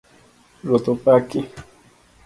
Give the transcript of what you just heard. Ruoth opaki